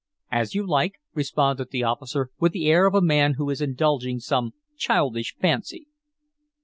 "As you like," responded the officer, with the air of a man who is indulging some childish fancy.